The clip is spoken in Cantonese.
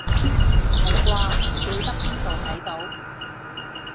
係啩，唔記得邊度睇到